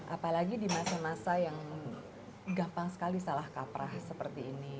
apalagi di masa masa yang gampang sekali salah kaprah seperti ini